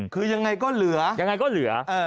คือยังไงก็เหลือ